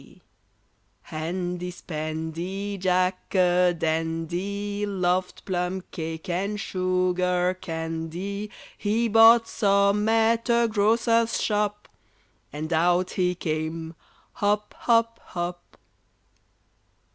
] Handy Spandy Jack a Dandy Loved plumcake and sugar candy; He bought some at a grocer's shop, And out he came, hop, hop, hop.